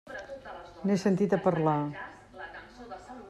N'he sentit a parlar.